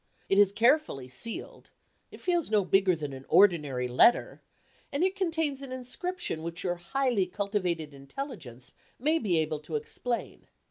It is carefully sealed it feels no bigger than an ordinary letter and it contains an inscription which your highly cultivated intelligence may be able to explain.